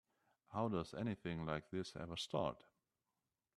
How does anything like this ever start?